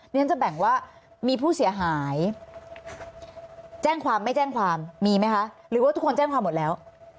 ฉันจะแบ่งว่ามีผู้เสียหายแจ้งความไม่แจ้งความมีไหมคะหรือว่าทุกคนแจ้งความหมดแล้ว